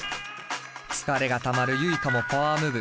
疲れがたまるＹｕｉｋａもパワームーブ。